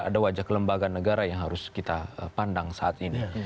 ada wajah kelembagaan negara yang harus kita pandang saat ini